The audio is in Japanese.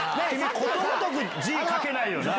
ことごとく字書けないよな。